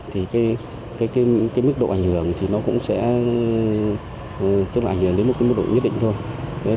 thì mức độ ảnh hưởng cũng sẽ ảnh hưởng đến một mức độ nhất định thôi